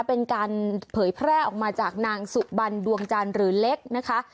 เป็นการเผยแพร่ออกมาจากนางสุบันดวงจันทร์หรือเล็กนะคะ